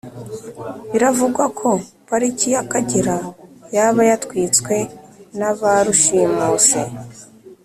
Biravugwa ko pariki yakagera yaba yatwitswe naba rushimusi